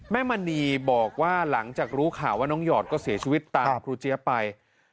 มณีบอกว่าหลังจากรู้ข่าวว่าน้องหยอดก็เสียชีวิตตามครูเจี๊ยบไป